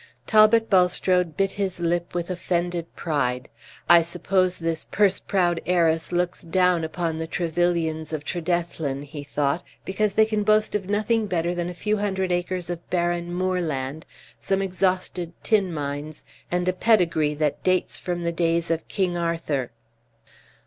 Talbot Bulstrode bit his lip with offended pride. "I suppose this purse proud heiress looks down upon the Trevyllians of Tredethlin," he thought, "because they can boast of nothing better than a few hundred acres of barren moorland, some exhausted tin mines, and a pedigree that dates from the days of King Arthur."